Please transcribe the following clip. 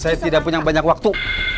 saya tidak punya banyak waktu